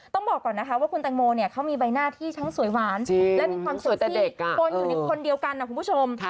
ต้องบอกก่อนนะคะว่าคุณแตงโมเนี่ยเขามีใบหน้าที่ทั้งสวยหวานและมีความสวยที่ปนอยู่ในคนเดียวกันนะคุณผู้ชม